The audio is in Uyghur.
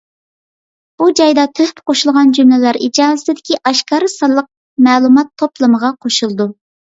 بۇ جايدا تۆھپە قوشۇلغان جۈملىلەر ئىجازىتىدىكى ئاشكارا سانلىق مەلۇمات توپلىمىغا قوشۇلىدۇ.